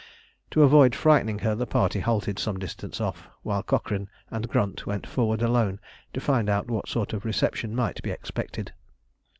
To avoid frightening her, the party halted some distance off, while Cochrane and Grunt went forward alone to find out what sort of reception might be expected.